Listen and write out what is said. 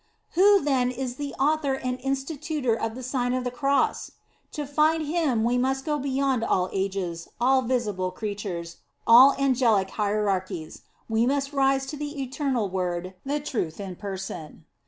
"* Who then is the author and institutor of the Sio^n of the Cross? To find him we must * > go beyond all ages, all visible creatures, all angelic hierarchies; we must rise to the Eternal Word, the Truth in person.